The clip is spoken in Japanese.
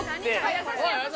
優しい。